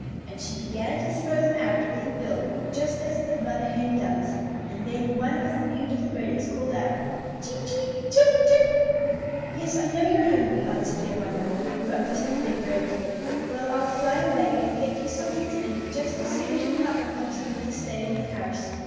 And she began to throw them out with her bill, just as the mother hen does, and then one of the new little birdies called out: "Cheep cheep chip chip!" "Yes, I know you're hungry," answered their mamma, who understood their bird talk. "Well, I'll fly away and get you something to eat just as soon as your papa comes home to stay in the house.